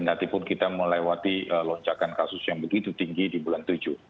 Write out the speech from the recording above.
tidak tiba tiba kita melewati loncakan kasus yang begitu tinggi di bulan tujuh